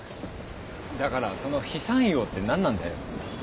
だからその「ひさんいを」って何なんだよ。